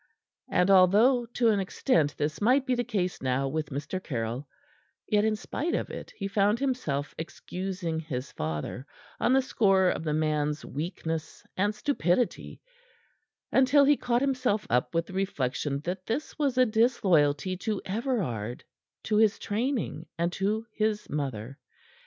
And although to an extent this might be the case now with Mr. Caryll, yet, in spite of it, he found himself excusing his father on the score of the man's weakness and stupidity, until he caught himself up with the reflection that this was a disloyalty to Everard, to his training, and to his mother.